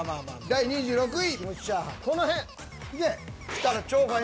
第２４位。